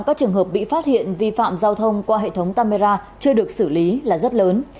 các trường hợp bị phát hiện vi phạm giao thông qua hệ thống camera chưa được xử lý là rất lớn